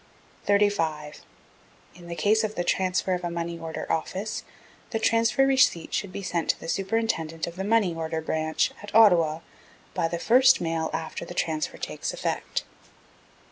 35. In the case of the transfer of a Money Order Office, the Transfer Receipt should be sent to the Superintendent of the Money Order Branch, at Ottawa, by the first mail after the transfer takes effect.